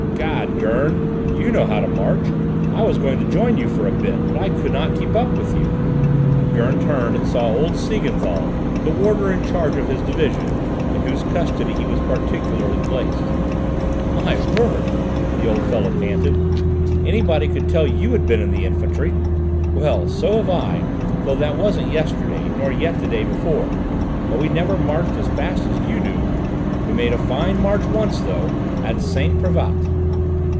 "'Gad, Gurn, you know how to march! I was going to join you for a bit, but I could not keep up with you." Gurn turned and saw old Siegenthal, the warder in charge of his division, in whose custody he was particularly placed. "My word!" the old fellow panted, "anybody could tell you had been in the infantry. Well, so have I; though that wasn't yesterday, nor yet the day before; but we never marched as fast as you do. We made a fine march once though at Saint Privat."